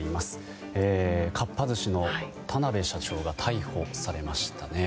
かっぱ寿司の田邊社長が逮捕されましたね。